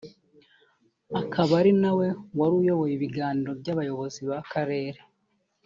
Akaba ari na we wari uyoboye ibiganiro by’abayobozi b’aka karere